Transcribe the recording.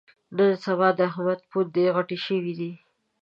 نن سبا د احمد پوندې غټې شوې دي.